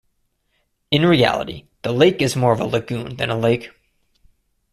In reality, the lake is more of a lagoon than a lake.